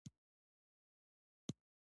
مېوې د افغانستان د سیلګرۍ برخه ده.